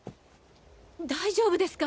大丈夫ですか？